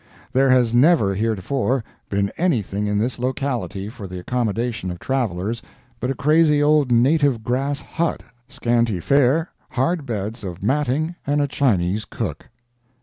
There has never heretofore been anything in this locality for the accommodation of travellers but a crazy old native grass hut, scanty fare, hard beds of matting and a Chinese cook.